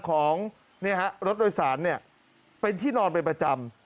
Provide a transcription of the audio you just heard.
ของรถโดยสารเป็นที่นอนเป็นประจำ